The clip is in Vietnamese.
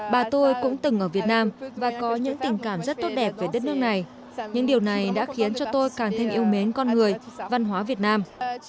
bà tôi cũng từng ở việt nam và có những tình cảm rất tốt đẹp về đất nước này những điều này đã khiến cho tôi càng thêm yêu mến con người văn hóa việt nam